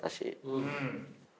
うん。